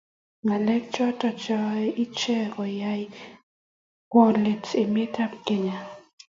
ngalek choto cheyae iche koyae kowaa let emetab kenya